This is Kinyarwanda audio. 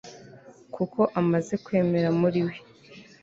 kuko amaze kwemera muri we